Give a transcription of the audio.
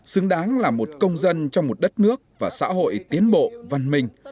xứng đáng là một công dân trong một đất nước và xã hội tiến bộ văn minh